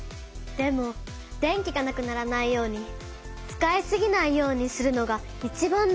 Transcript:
でも電気がなくならないように使いすぎないようにするのがいちばん大事なのよ。